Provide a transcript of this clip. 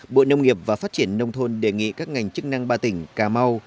bộ nông nghiệp và phát triển nông thôn đề nghị các ngành chức năng ba tỉnh cà mau